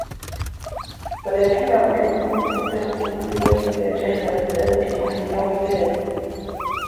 وَلَكِنَّا نَطْلُبُهُ لِنَنْقُصَ فِي كُلِّ يَوْمٍ مِنْ الْجَهْلِ وَنَزْدَادَ فِي كُلِّ يَوْمٍ مِنْ الْعِلْمِ